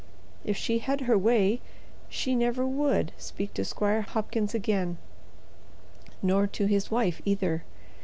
If she had her way she never would, speak to Squire Hopkins again, nor to his wife, either.